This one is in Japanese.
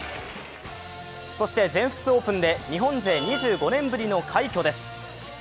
そして全仏オープンで日本勢２５年ぶりの快挙です。